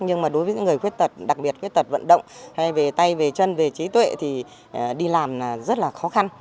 nhưng mà đối với những người khuyết tật đặc biệt khuyết tật vận động hay về tay về chân về trí tuệ thì đi làm rất là khó khăn